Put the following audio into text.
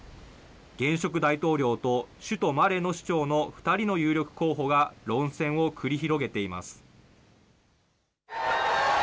現職大統領と首都マレの市長の２人の有力候補が論戦を繰り広げています。